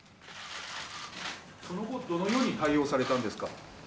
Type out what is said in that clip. その後どのように対応されたんですか？